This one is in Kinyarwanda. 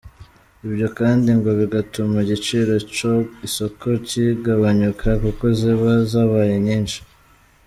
Ibyo kandi ngo bigatuma igiciro ku isoko kigabanyuka kuko ziba zabaye nyinshi.